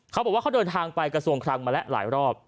เขาบอกว่าเขาเดินทางไปกระทรวงคลังมาแล้วหลายรอบ